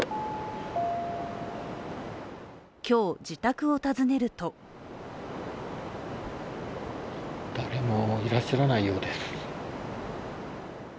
今日、自宅を訪ねると誰もいらっしゃらないようです。